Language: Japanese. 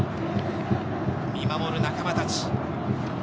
見守る仲間たち。